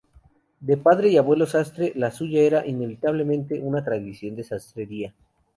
De padre y abuelo sastre, la suya era inevitablemente una tradición de sastrería.